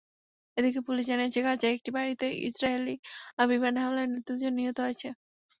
এদিকে পুলিশ জানিয়েছে, গাজায় একটি বাড়িতে ইসরায়েলি বিমান হামলায় দুজন নিহত হয়েছে।